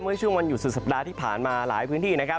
เมื่อช่วงวันหยุดสุดสัปดาห์ที่ผ่านมาหลายพื้นที่นะครับ